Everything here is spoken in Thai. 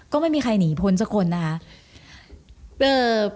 ก็ไม่มีใครหนีพ้นสักคนนะคะ